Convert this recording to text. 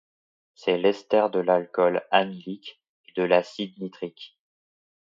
C'est l'ester de l'alcool amylique et de l'acide nitrique.